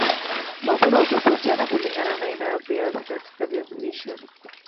mavuno hutofautiana kulingana na aina ya viazi katika viazi lishe